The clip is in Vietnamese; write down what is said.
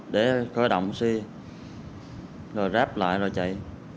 để khởi động xe rồi ráp lại rồi chạy